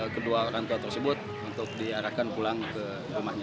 kedua orang tua tersebut untuk diarahkan pulang ke rumahnya